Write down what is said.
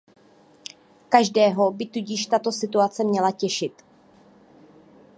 Každého by tudíž tato situace měla těšit.